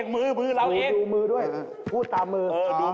ดูมือด้วยพูดตามมือ